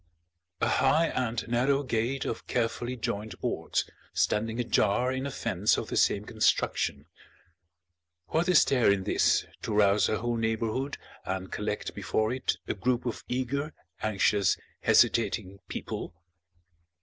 A high and narrow gate of carefully joined boards, standing ajar in a fence of the same construction! What is there in this to rouse a whole neighbourhood and collect before it a group of eager, anxious, hesitating people?